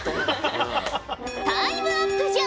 タイムアップじゃ。